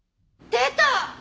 出た！